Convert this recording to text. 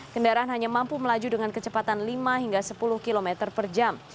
kendaraan hanya mampu melaju dengan kecepatan lima hingga sepuluh km per jam